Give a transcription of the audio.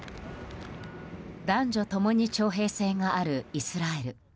男女共に徴兵制があるイスラエル。